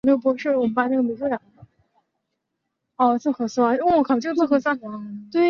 话家常的妇女